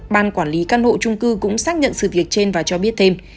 ban quản lý căn hộ trung cư cũng xác nhận sự việc trên và cho biết thêm